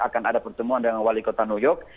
akan ada pertemuan dengan wali kota new york